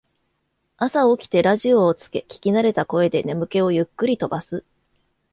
朝起きてラジオをつけ聞きなれた声で眠気をゆっくり飛ばす